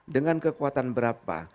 dengan kekuatan berapa